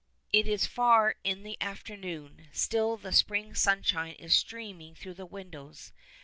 It is far in the afternoon, still the spring sunshine is streaming through the windows.